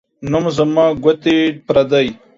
نوم زما ، گوتي پردۍ.